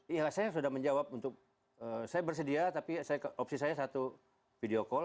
iya saya sudah menjawab untuk saya bersedia tapi opsi saya satu video call